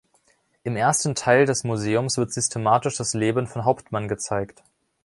Im ersten Teil des Museums wird systematisch das Leben von Hauptmann gezeigt.